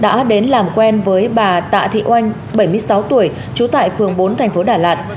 đã đến làm quen với bà tạ thị oanh bảy mươi sáu tuổi trú tại phường bốn thành phố đà lạt